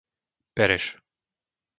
Pereš